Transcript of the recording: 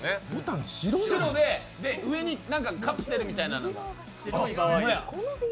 白で、上にカプセルみたいなのが。